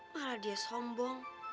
marah dia sombong